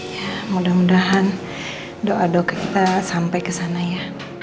ya mudah mudahan doa doa kita sampai kesana ya